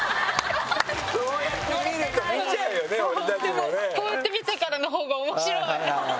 でもこうやって見てからのほうが面白い！